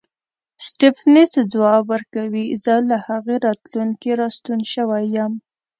سټېفنس ځواب ورکوي زه له هغې راتلونکې راستون شوی یم.